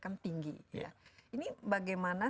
kan tinggi ini bagaimana